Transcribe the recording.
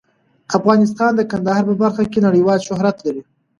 افغانستان د کندهار په برخه کې نړیوال شهرت لري.